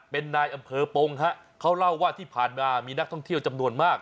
เป็นนายอำเภอปงฮะเขาเล่าว่าที่ผ่านมามีนักท่องเที่ยวจำนวนมาก